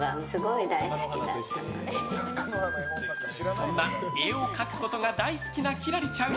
そんな、絵を描くことが大好きな輝星ちゃん。